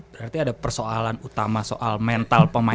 berarti ada persoalan utama soal mental pemain